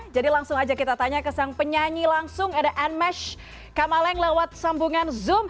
jadi langsung aja kita tanya ke sang penyanyi langsung ada anmesh kamaleng lewat sambungan zoom